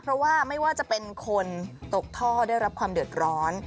เพราะว่าไม่ว่าจะเป็นคนตกท่อได้รับความเดือดร้อน